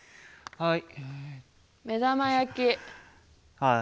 はい。